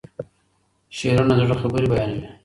شعرونه د زړه خبرې بيانوي.